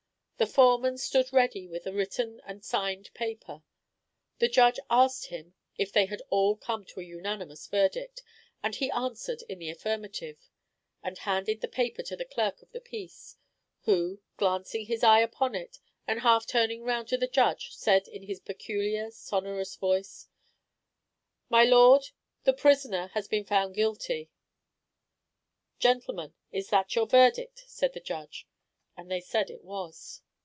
The foreman stood ready with a written and signed paper. The judge asked him if they had all come to a unanimous verdict, and he answered in the affirmative; and handed the paper to the clerk of the peace, who glancing his eye upon it, and half turning round to the judge said in his peculiar, sonorous voice "My lord, the prisoner has been found guilty." "Gentlemen, is that your verdict?" said the judge; and they said it was.